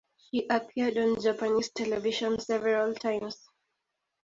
She appeared on Japanese television several times.